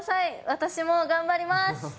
私も頑張ります！